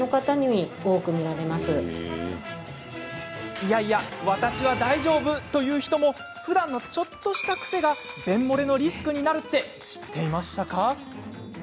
いやいや、私は大丈夫という人もふだんのちょっとした癖が便もれのリスクになるって知っていましたか？